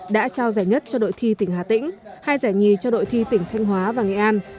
đã trao giải nhất cho đội thi tỉnh hà tĩnh hai giải nhì cho đội thi tỉnh thanh hóa và nghệ an